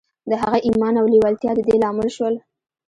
د هغه ايمان او لېوالتیا د دې لامل شول.